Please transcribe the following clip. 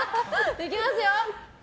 いきますよ。